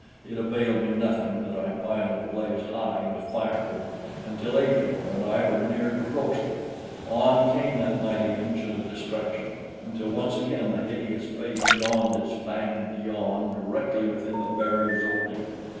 It availed me nothing that I piled the blaze high with firewood, until Ajor and I were near to roasting; on came that mighty engine of destruction until once again the hideous face yawned its fanged yawn directly within the barrier's opening.